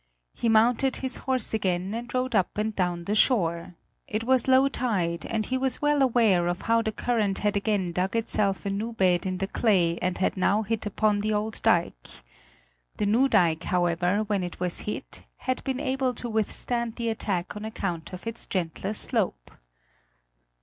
He mounted his horse again and rode up and down the shore; it was low tide, and he was well aware of how the current had again dug itself a new bed in the clay and had now hit upon the old dike. The new dike, however, when it was hit, had been able to withstand the attack on account of its gentler slope.